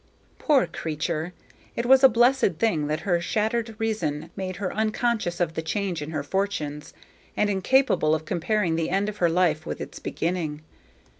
Poor creature! it was a blessed thing that her shattered reason made her unconscious of the change in her fortunes, and incapable of comparing the end of her life with its beginning.